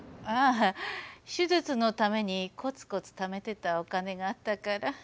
ああ手術のためにコツコツためてたお金があったから。